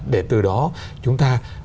để từ đó chúng ta